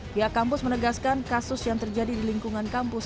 pihak kampus menegaskan kasus yang terjadi di lingkungan kampus